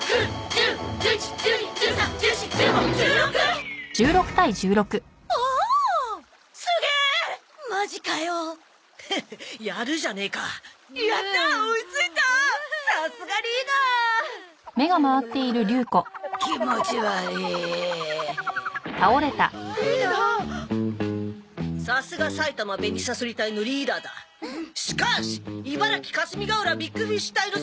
しかし茨城霞ヶ浦ビッグフィッシュ隊の力を見せてやる！